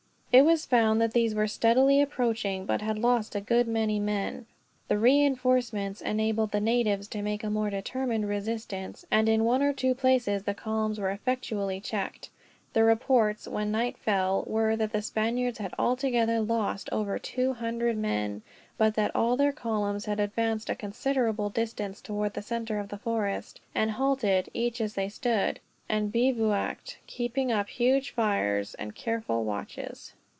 It was found that these were steadily approaching, but had lost a good many men. The reinforcements enabled the natives to make a more determined resistance, and in one or two places the columns were effectually checked. The reports, when night fell, were that the Spaniards had altogether lost over two hundred men; but that all their columns had advanced a considerable distance towards the center of the forest; and had halted, each as they stood; and bivouacked, keeping up huge fires and careful watches.